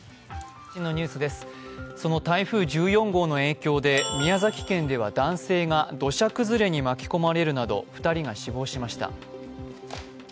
その台風１４号の影響で宮崎県では男性が土砂崩れに巻き込まれるなど２人が死亡しました。